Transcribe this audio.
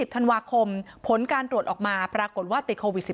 ธันวาคมผลการตรวจออกมาปรากฏว่าติดโควิด๑๙